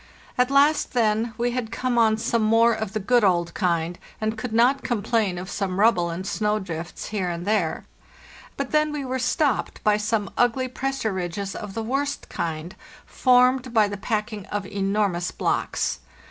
At last, then, we had come on some more of the good old kind, and could not complain of some rubble and snow drifts here and there; but then we were stopped by some ugly pressure ridges of the worst kind, formed by the packing of enormous blocks.